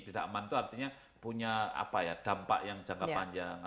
tidak aman itu artinya punya dampak yang jangka panjang